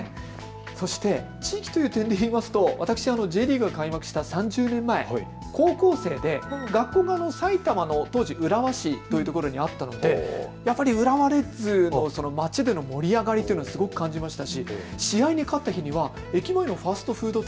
そして地域という点で言いますと私Ｊリーグが開幕した３０年前、高校生で学校が埼玉の当時、浦和市にあったのでやっぱり浦和レッズがまちでの盛り上がり、すごく感じました。